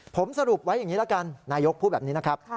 ผมสรุปไว้อย่างนี้ละกันนายกพูดแบบนี้นะครับ